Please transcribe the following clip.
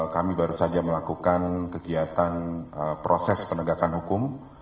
kami baru saja melakukan kegiatan proses penegakan hukum